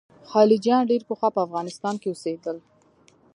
خلجیان ډېر پخوا په افغانستان کې اوسېدل.